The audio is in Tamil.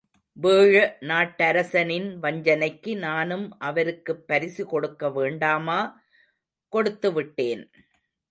வேழ நாட்டரசனின் வஞ்சனைக்கு, நானும் அவருக்கு பரிசு கொடுக்க வேண்டாமா, கொடுத்து விட்டேன்!.